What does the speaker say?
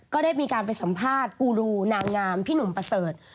ก็ได้มีการไปสัมภาษณ์กูรูนางงามพี่หนุ่มประเสริฐ